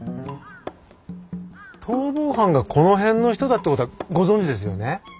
逃亡犯がこの辺の人だってことはご存じですよね？